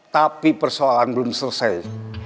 tapi persoalan belum selesai